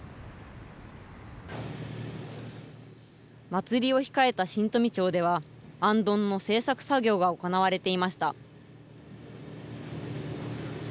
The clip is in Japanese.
祭りを控えた新富町では、行燈の製作作業が行われていました。